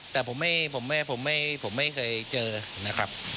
แต่ผมไม่เคยเจอนะครับ